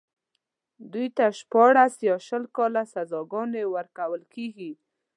دوی ته شپاړس يا شل کاله سزاګانې ورکول کېږي.